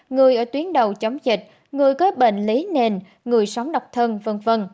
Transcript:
người ở tuyến đầu chống dịch người có bệnh lý nền người sống độc thân v v